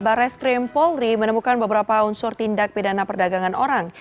bareskrim polri menemukan beberapa unsur tindak pidana perdagangan orang